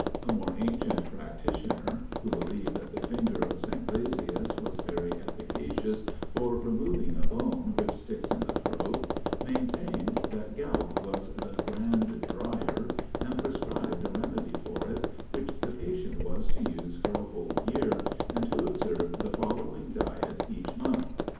A more ancient practitioner, who believed that the finger of St. Blasius was very efficacious "for removing a bone which sticks in the throat," maintained that gout was the "grand drier," and prescribed a remedy for it, which the patient was to use for a whole year, and to observe the following diet each month.